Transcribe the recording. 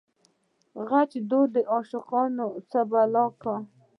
دغچ دود دعاشقانو څه بلا کا